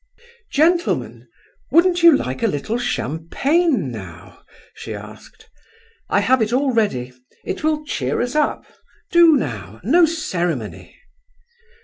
"Gentlemen, wouldn't you like a little champagne now?" she asked. "I have it all ready; it will cheer us up—do now—no ceremony!"